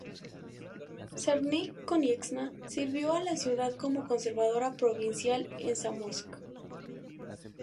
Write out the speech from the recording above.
Sarnik-Konieczna sirvió a la ciudad como conservadora provincial en Zamość.